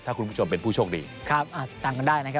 ถ้าคุณผู้ชมเป็นผู้โชคดีครับติดตามกันได้นะครับ